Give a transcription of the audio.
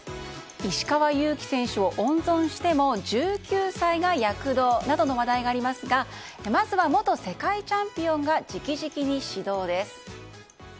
石川祐希選手を温存しても１９歳が躍動などの話題がありますがまずは元世界チャンピオンが直々に指導です。